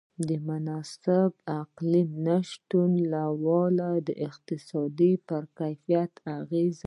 د مناسب اقلیم نهشتوالی د زراعت پر کیفیت اغېز لري.